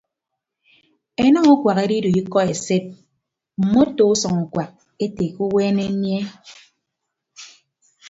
Enañ ukuak edido ikọ esed mmoto usʌñ ukuak ete ke uweene anie.